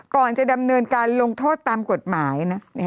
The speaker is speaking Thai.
ก่อนจะดำเนินการลงโทษตามกฎหมายนะ